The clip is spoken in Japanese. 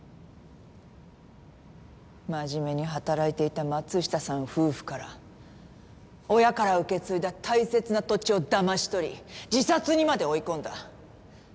真面目に働いていた松下さん夫婦から親から受け継いだ大切な土地をだまし取り自殺にまで追い込んだ。